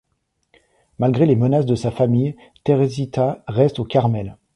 Malgré les menaces de sa famille, Teresita reste au Carmel.